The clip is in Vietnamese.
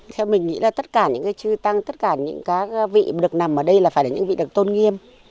theo mình nghĩ là tất cả những cái chư tăng tất cả những cái vị được nằm ở đây là phải là những vị được tôn nghiêm